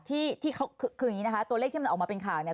ที่เขาคืออย่างนี้นะคะตัวเลขที่มันออกมาเป็นข่าวเนี่ย